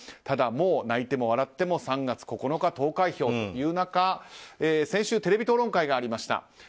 ただ、もう泣いても笑っても３月９日投開票という中先週、テレビ討論会がありました。